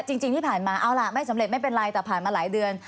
จริงที่ผ่านมาเอาล่ะไม่สำเร็จไม่เป็นไรแต่ผ่านมาหลายเดือน